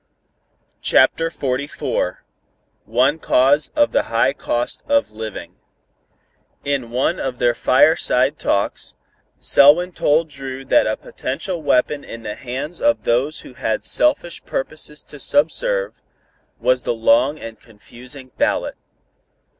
CHAPTER XLIV ONE CAUSE OF THE HIGH COST OF LIVING In one of their fireside talks, Selwyn told Dru that a potential weapon in the hands of those who had selfish purposes to subserve, was the long and confusing ballot.